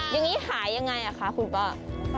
อย่างนี้หายังไงคะคุณป้า